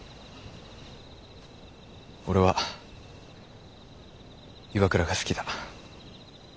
俺は岩倉が好きだ。